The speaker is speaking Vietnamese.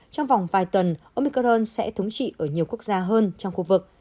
trong vòng vài tuần omicron sẽ thống trị ở nhiều quốc gia hơn trong khu vực